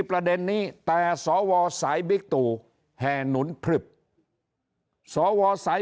ประเด็นนี้แต่สวสายบิ๊กตู่แห่หนุนพลึบสวสาย